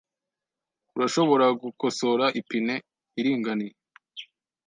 Urashobora gukosora ipine iringaniye?